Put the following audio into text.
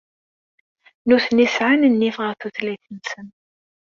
Nutni sɛan nnif ɣef tutlayt-nsen.